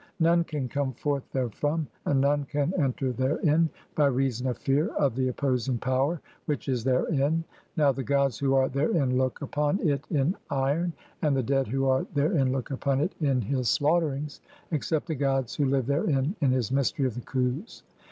None can come forth therefrom and none "can enter therein (3) by reason of fear of the opposing power "which is therein — now the gods who are therein look upon "it in iron (?) and (4) the dead who are therein look upon it "in his slaughterings — except the gods who live therein in his "mystery (5) of the Khus.